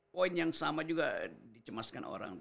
poin yang sama juga dicemaskan orang